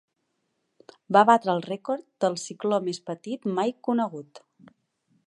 Va batre el rècord de cicló més petit mai conegut.